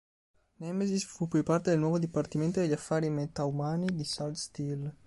Nemesis fu poi parte del nuovo Dipartimento degli Affari Metaumani di Sarge Steel.